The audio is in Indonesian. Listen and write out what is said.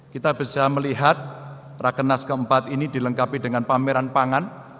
kita bisa melihat rakenas keempat ini dilengkapi dengan pameran pangan